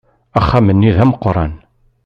Axxam-nni d ameqqran.